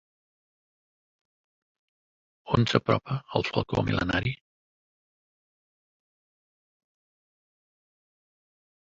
On s'apropa el Falcó Mil·lenari?